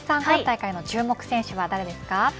今大会の注目選手は誰ですか。